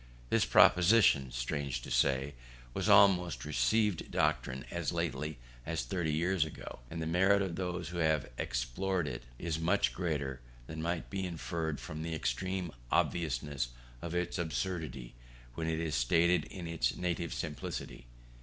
This proposition, strange to say, was almost a received doctrine as lately as thirty years ago; and the merit of those who have exploded it is much greater than might be inferred from the extreme obviousness of its absurdity when it is stated in its native simplicity.